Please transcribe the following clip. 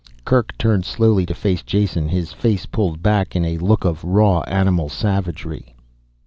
Kerk turned slowly to face Jason, his face pulled back in a look of raw animal savagery.